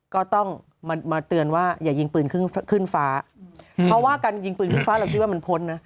ก็ต้องมาเตือนว่าอย่ายิงปืนขึ้นขึ้นฟ้าเพราะว่าการยิงปืนขึ้นฟ้าเราคิดว่ามันพ้นนะ